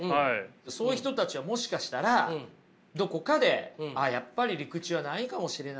そういう人たちはもしかしたらどこかでああやっぱり陸地はないかもしれないって諦めたんじゃないか。